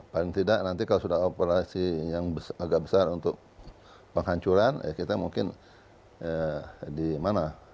paling tidak nanti kalau sudah operasi yang agak besar untuk penghancuran ya kita mungkin di mana